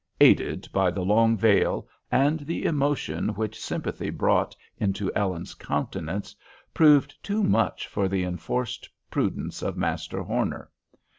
— aided by the long veil, and the emotion which sympathy brought into Ellen's countenance, proved too much for the enforced prudence of Master Horner.